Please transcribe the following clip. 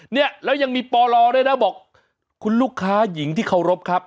เนี่ยแล้วยังมีปลด้วยนะบอกคุณลูกค้าหญิงที่เคารพครับ